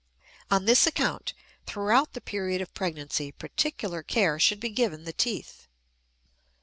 On this account, throughout the period of pregnancy particular care should be given the teeth.